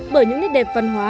bởi những nét đẹp văn hóa